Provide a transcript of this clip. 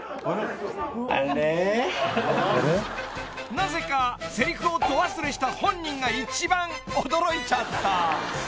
［なぜかせりふをど忘れした本人が一番驚いちゃった］